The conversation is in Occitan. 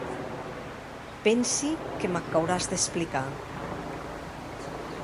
Pensi que m'ac auràs d'explicar.